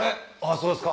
そうですか。